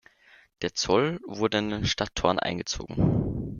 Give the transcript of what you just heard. Der Zoll wurde an den Stadttoren eingezogen.